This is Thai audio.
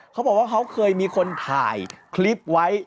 เขาบอกว่าเขาเคยมีคนถ่ายคลิปไว้